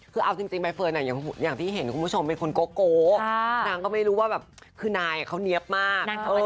แต่ว่าตอนเนี๊ยะ